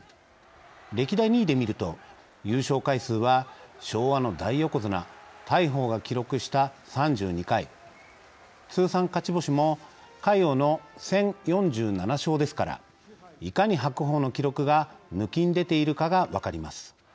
歴代２位で見ると優勝回数は「昭和の大横綱」大鵬が記録した３２回通算勝ち星も魁皇の１０４７勝ですからいかに白鵬の記録が抜きんでているかが分かります。